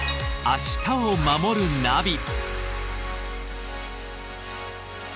「明日をまもるナビ」